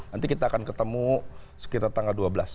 nanti kita akan ketemu sekitar tanggal dua belas